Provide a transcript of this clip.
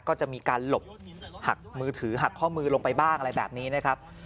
ก็จะมีการหลบหักมือถือหักข้อมือลงไปบ้างอะไรแบบนี้นะครับ